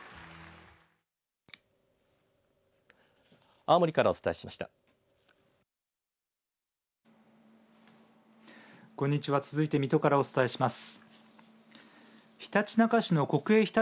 青森からお伝えしました。